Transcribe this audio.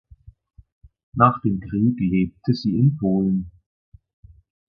Nach dem Krieg lebte sie in Polen.